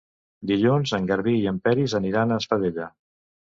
Dilluns en Garbí i en Peris aniran a Espadella.